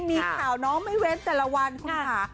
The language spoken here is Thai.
มีข่าวน้องไม่เว้นแต่ละวันคุณค่ะ